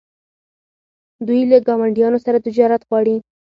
دوی له ګاونډیانو سره تجارت غواړي.